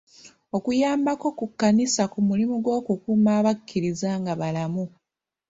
Okuyambako ku kkanisa ku mulimu gw'okukuuma abakkiriza nga balamu.